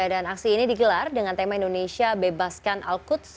dan aksi ini digelar dengan tema indonesia bebaskan al quds